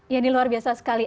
ya ini luar biasa sekali